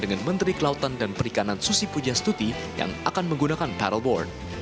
dengan menteri kelautan dan perikanan susi puja stuti yang akan menggunakan paddleboard